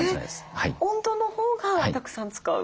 温度のほうがたくさん使う？